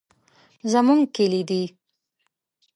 زمونږ کلي دي.